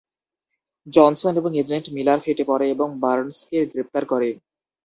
Johnson এবং agent Miller ফেটে পড়ে এবং বার্নসকে গ্রেপ্তার করে।